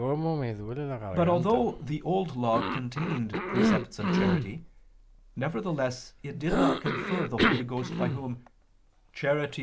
But although the Old Law contained precepts of charity, nevertheless it did not confer the Holy Ghost by Whom "charity